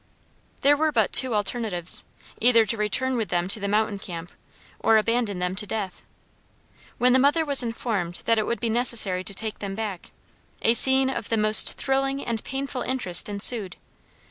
There were but two alternatives: either to return with them to the mountain camp, or abandon them to death. When the mother was informed that it would be necessary to take them back, a scene of the most thrilling and painful interest ensued.